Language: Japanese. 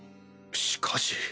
しかし。